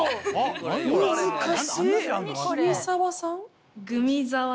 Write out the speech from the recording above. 難しい。